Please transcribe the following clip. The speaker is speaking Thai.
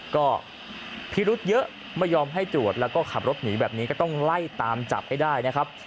ก็พิรุธเยอะไม่ยอมให้ตรวจแล้วก็ขับรถหนีแบบนี้ก็ต้องไล่ตามจับให้ได้นะครับ